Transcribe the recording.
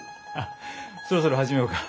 そろそろ始めようか。